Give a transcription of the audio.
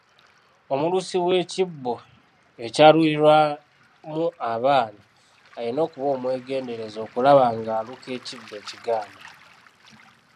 Omulusi w'ekibbo ekyalulirwamu abaana alina okuba omwegendereza okulaba ng'aluka ekibbo ekiganda.